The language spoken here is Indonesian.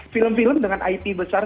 film film dengan it besar